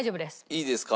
いいですか？